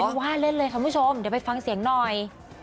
เขาว่าเล่นเลยคุณผู้ชมเดี๋ยวไปฟังเสียงหน่อย